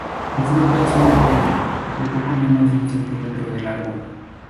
El fruto es un aquenio de poco menos de un centímetro de largo.